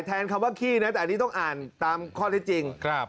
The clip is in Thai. คำว่าขี้นะแต่อันนี้ต้องอ่านตามข้อได้จริง